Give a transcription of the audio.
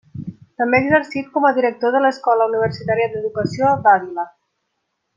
També ha exercit com a Director de l’Escola Universitària d’Educació d’Àvila.